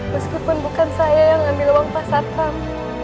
meskipun bukan saya yang ambil uang pak satpam